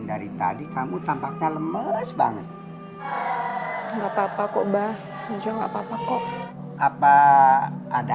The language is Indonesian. dari tadi kamu tampaknya lemes banget nggak papa kok bah sejauh nggak papa kok apa ada